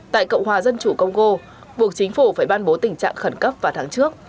tại cộng hòa dân chủ congo buộc chính phủ phải ban bố tình trạng khẩn cấp vào tháng trước